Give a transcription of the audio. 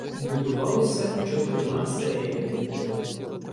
Будувалися чотирма серіями.